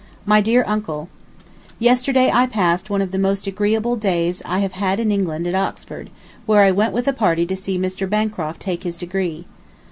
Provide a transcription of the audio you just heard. MY DEAR UNCLE: Yesterday I passed one of the most agreeable days I have had in England at Oxford, where I went with a party to see Mr. Bancroft take his degree.